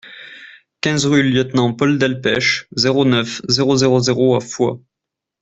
quinze rue Lieutenant Paul Delpech, zéro neuf, zéro zéro zéro à Foix